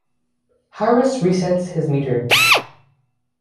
Harris resets his meter.